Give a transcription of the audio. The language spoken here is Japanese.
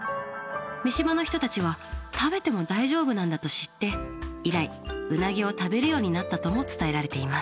三島の人たちは食べても大丈夫なんだと知って以来ウナギを食べるようになったとも伝えられています。